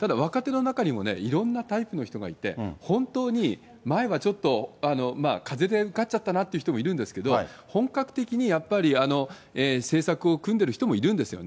ただ若手の中にもね、いろんなタイプの人がいて、本当に前はちょっと風で受かっちゃったなっていう人もいるんですけど、本格的にやっぱり、政策を組んでいる人もいるんですよね。